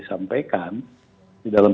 sampaikan di dalam